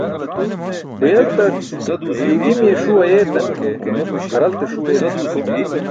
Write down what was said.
Huyeltarc yuu i̇mi̇ye ṣuu ayeetan ke, haralte ṣuu eeći̇.